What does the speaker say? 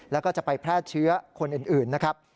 แล้วก็จะไปแพร่เชื้อคนอื่นนะครับ